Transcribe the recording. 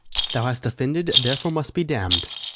Thou hast offended, therefore must be damn'd.